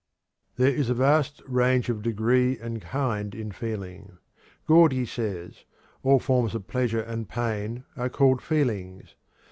There is a vast range of degree and kind in feeling. Gordy says: "All forms of pleasure and pain are called feelings.